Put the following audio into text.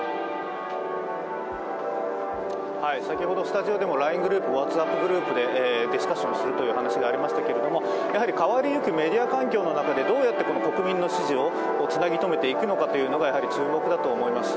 先ほどスタジオでもＬＩＮＥグループ、ＷｈａｔｓＡｐｐグループでディスカッションするという話がありましたけれども変わりゆくメディア環境の中でどうやって国民の支持をつなぎとめていくのかというのが注目だと思います。